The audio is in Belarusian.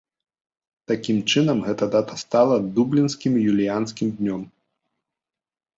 Такім чынам гэта дата стала дублінскім юліянскім днём.